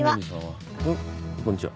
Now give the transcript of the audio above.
こんにちは。